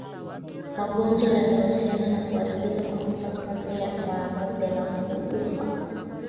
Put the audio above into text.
Magonjwa yanayohusiana na kuharibika kwa mimba kama vile Homa ya bonde la ufa